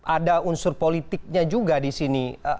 ada unsur politiknya juga di sini